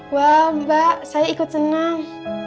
wah mbak saya ikut senang